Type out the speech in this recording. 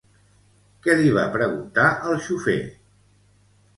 Què li va preguntar al xofer?